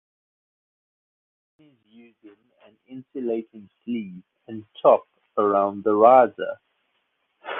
One is using an insulating sleeve and top around the riser.